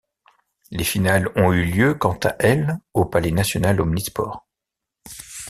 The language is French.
Les finales ont eu lieu quant à elles au Palais national omnisports.